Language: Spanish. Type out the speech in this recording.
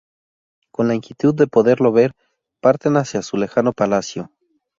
Con la inquietud de poderlo ver, parten hacia su lejano palacio.